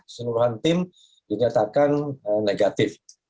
keseluruhan tim dinyatakan negatif